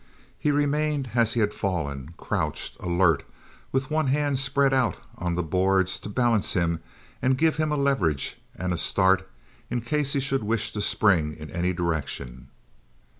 He remained as he had fallen; crouched, alert, with one hand spread out on the boards to balance him and give him a leverage and a start in case he should wish to spring in any direction.